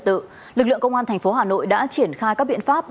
trường lạng giang số ba và bảy